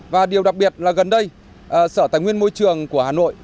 và điều đặc biệt là gần đây sở tài nguyên môi trường của hà nội